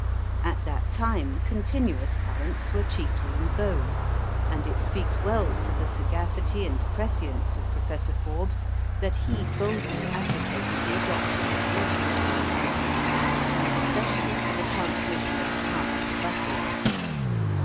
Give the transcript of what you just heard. At that time continuous currents were chiefly in vogue, and it speaks well for the sagacity and prescience of Professor Forbes that he boldly advocated the adoption of alternating currents, more especially for the transmission of power to Buffalo.